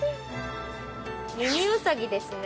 ミニウサギですね。